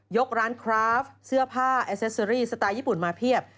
ร้านคราฟเสื้อผ้าแอเซสเตอรี่สไตล์ญี่ปุ่นมาเพียบ